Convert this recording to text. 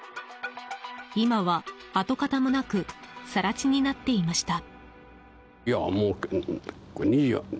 今は跡形もなく更地になっていました。